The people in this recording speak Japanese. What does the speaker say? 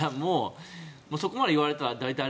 そこまで言われたら大体。